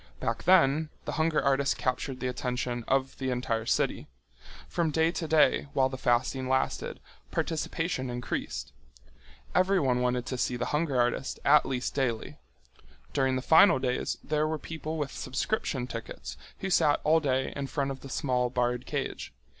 Back then the hunger artist captured the attention of the entire city. From day to day while the fasting lasted, participation increased. Everyone wanted to see the hunger artist at least daily. During the final days there were people with subscription tickets who sat all day in front of the small barred cage.